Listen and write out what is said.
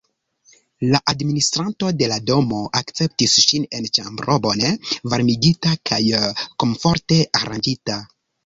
La administranto de la domo akceptis ŝin en ĉambro bone varmigita kaj komforte aranĝita.